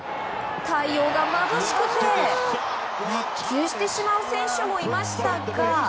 太陽がまぶしくて落球してしまう選手もいましたが。